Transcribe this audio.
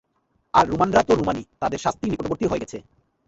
আর রোমানরা তো রোমানই, তাদের শাস্তি নিকটবর্তী হয়ে গেছে।